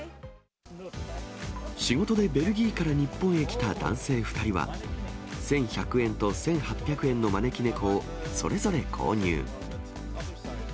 仕事でベルギーから日本に来た男性２人は、１１００円と１８００円の招き猫を、それぞれ購入。